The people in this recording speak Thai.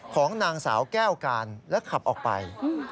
ของนางสาวแก้วการและขับออกไป